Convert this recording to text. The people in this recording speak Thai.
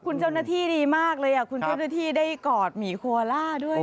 คุณเจ้าหน้าที่ดีมากเลยคุณเจ้าหน้าที่ได้กอดหมีโคล่าด้วย